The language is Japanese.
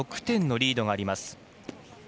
６点のリードがあります。